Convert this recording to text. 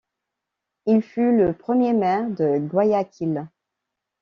Il fut le premier maire de Guayaquil.